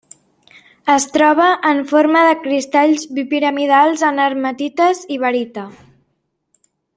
Es troba en forma de cristalls bipiramidals en hematites i barita.